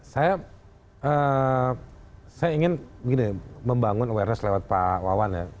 saya ingin begini membangun awareness lewat pak wawan ya